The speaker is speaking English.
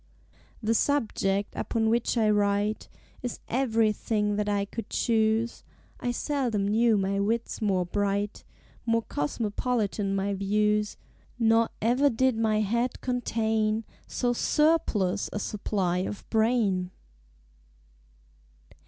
The Subject upon which I write Is everything that I could choose; I seldom knew my Wits more bright, More cosmopolitan my Views; Nor ever did my Head contain So surplus a supply of Brain!